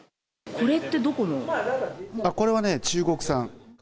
これはね、中国産。